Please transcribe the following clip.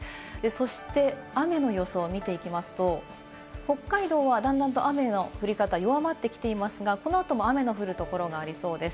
そして雨の予想を見ていきますと、北海道は段々と雨の降り方、弱まってきていますが、このあとも雨の降るところがありそうです。